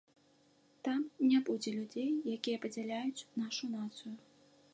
Там не будзе людзей, якія падзяляюць нашу нацыю.